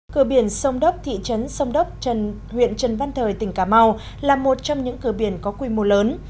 cửa biển sông đốc thị trấn sông đốc huyện trần văn thời tỉnh cà mau là một trong những cửa biển có quy mô lớn